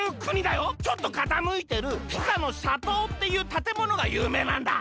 ちょっとかたむいてるピサの斜塔っていうたてものがゆうめいなんだ。